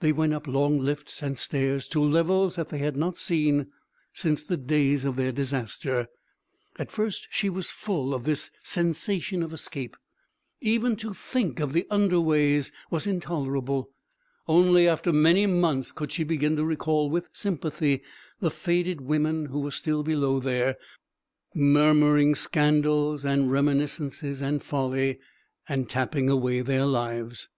They went up long lifts and stairs to levels that they had not seen since the days of their disaster. At first she was full of this sensation of escape; even to think of the underways was intolerable; only after many months could she begin to recall with sympathy the faded women who were still below there, murmuring scandals and reminiscences and folly, and tapping away their lives.